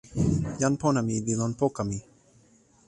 jan pona mi li lon poka mi.